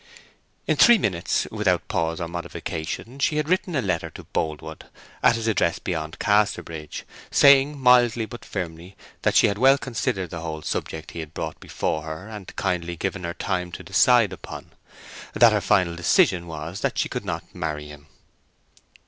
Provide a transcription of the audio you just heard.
In three minutes, without pause or modification, she had written a letter to Boldwood, at his address beyond Casterbridge, saying mildly but firmly that she had well considered the whole subject he had brought before her and kindly given her time to decide upon; that her final decision was that she could not marry him.